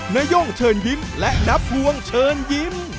นาย่งเชิญยิ้มและนับพวงเชิญยิ้ม